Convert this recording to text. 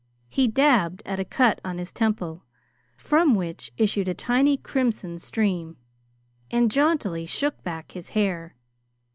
He dabbed at a cut on his temple from which issued a tiny crimson stream, and jauntily shook back his hair.